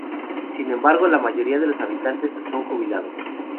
Sin embargo, la mayoría de sus habitantes son jubilados.